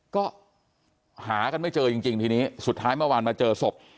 ก็หากันไม่เจอจริงทีนี้สุดท้ายเมื่อวานมาเจอศพ